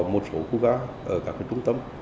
một số khu gác ở các cái trung tâm